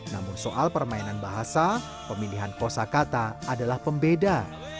namun soal permainan bahasa pemilihan kosa kata adalah pembeda